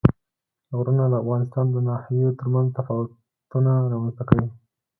غرونه د افغانستان د ناحیو ترمنځ تفاوتونه رامنځ ته کوي.